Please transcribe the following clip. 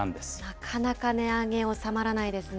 なかなか値上げ、収まらないですね。